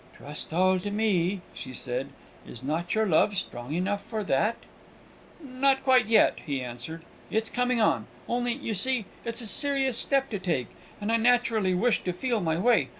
"Trust all to me," she said. "Is not your love strong enough for that?" "Not quite yet," he answered; "it's coming on. Only, you see, it's a serious step to take, and I naturally wish to feel my way.